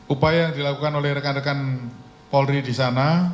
upaya yang dilakukan oleh rekan rekan polri di sana